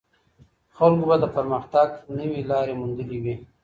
خلګو به د پرمختګ نوې لارې موندلې وي.